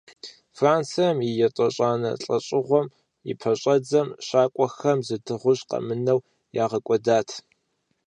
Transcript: Францием, етӀощӀанэ лӀэжьыгъуэм и пэщӀэдзэм, щакӏуэхэм зы дыгъужь къэмынэу, ягъэкӀуэдат.